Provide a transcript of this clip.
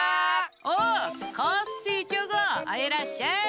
おっコッシーチョコンいらっしゃい！